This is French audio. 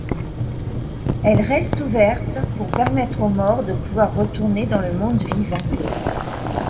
Elle reste ouverte pour permettre aux morts de pouvoir retourner dans le monde vivant.